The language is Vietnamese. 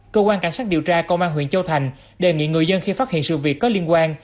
cơ quan cảnh sát điều tra công an huyện châu thành đề nghị người dân khi phát hiện sự việc có liên quan